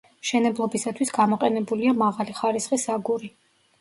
მშენებლობისათვის გამოყენებულია მაღალი ხარისხის აგური.